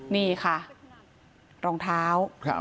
นี่ค่ะรองเท้า